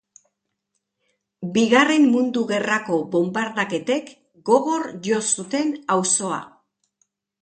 Bigarren Mundu Gerrako bonbardaketek gogor jo zuten auzoa.